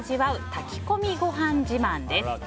炊き込みご飯自慢です。